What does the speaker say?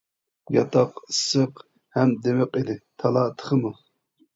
ياتاق ئىسسىق ھەم دىمىق ئىدى، تالا تېخىمۇ.